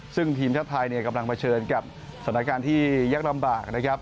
ซึ่งทีมชาติไทยกำลังเผชิญกับสถานการณ์ที่ยากลำบากนะครับ